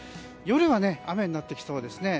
夜は、雨になってきそうです。